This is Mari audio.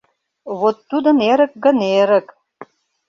Вот тудын эрык гын, эрык!